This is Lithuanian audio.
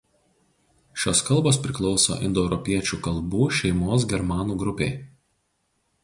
Šios kalbos priklauso indoeuropiečių kalbų šeimos germanų grupei.